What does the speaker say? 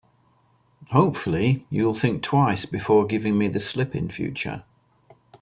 Hopefully, you'll think twice before giving me the slip in future.